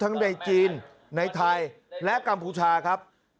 ในจีนในไทยและกัมพูชาครับ